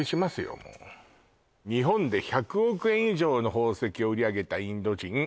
もう「日本で１００億円以上の宝石を売り上げたインド人」